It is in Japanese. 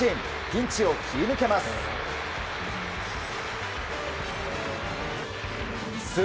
ピンチを切り抜けます。